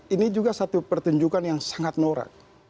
ini juga satu pertunjukan yang sangat norak